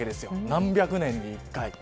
何百年に１回。